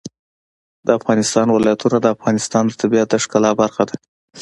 د افغانستان ولايتونه د افغانستان د طبیعت د ښکلا برخه ده.